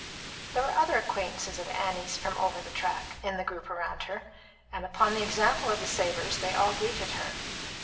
There were other acquaintances of Annie's from Over the Track, in the group about her, and upon the example of the Savors they all greeted her.